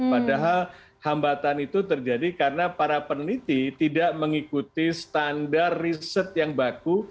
padahal hambatan itu terjadi karena para peneliti tidak mengikuti standar riset yang baku